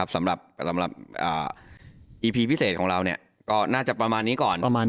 สำหรับอีพีพิเศษของเราก็น่าจะประมาณนี้ก่อน